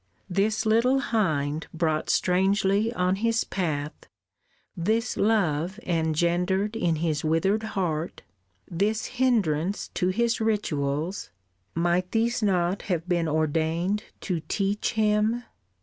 This little hind brought strangely on his path, This love engendered in his withered heart, This hindrance to his rituals, might these not Have been ordained to teach him?